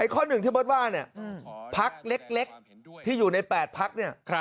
ข้อหนึ่งที่เบิ๊ดว่าพักเล็กที่อยู่ใน๘พัก